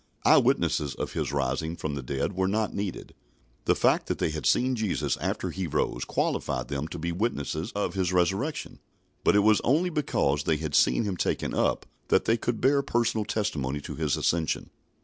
Eye witnesses of His rising from the dead were not needed. The fact that they had seen Jesus after He rose qualified them to be witnesses of His Resurrection, but it was only because they had seen Him taken up that they could bear personal testimony to His Ascension.